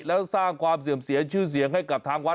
แล้วสร้างความเสื่อมเสียชื่อเสียงให้กับทางวัด